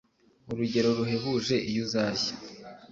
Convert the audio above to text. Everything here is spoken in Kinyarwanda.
Urugero ruhebuje Iyo uzashya